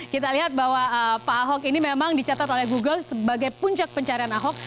kita lihat bahwa pak ahok ini memang dicatat oleh google sebagai puncak pencarian ahok